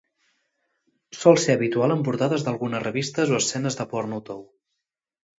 Sol ser habitual en portades d'algunes revistes o escenes de porno tou.